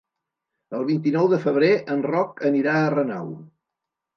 El vint-i-nou de febrer en Roc anirà a Renau.